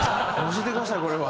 教えてくださいこれは。